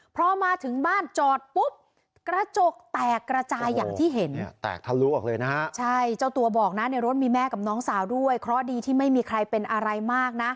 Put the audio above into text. พอมาถึงบ้านจอดปุ๊บกระจกแตกระจายอย่างที่เห็นเนี่ยแตกทะลุออกเลยนะฮะใช่เจ้าตัวบอกนะในรถมีแม่กับน้องสาวด้วยเพราะดีที่ไม่มีใครเป็นอะไรมากนะ